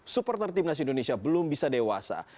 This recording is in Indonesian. supporter timnas indonesia belum bisa dewasa